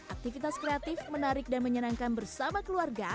aktivitas kreatif menarik dan menyenangkan bersama keluarga